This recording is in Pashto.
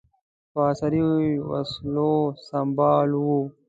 په عصري وسلو سمبال ول.